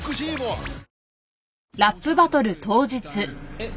えっ？